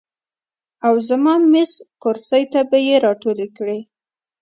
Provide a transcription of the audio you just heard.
او زما میز، کرسۍ ته به ئې راټولې کړې ـ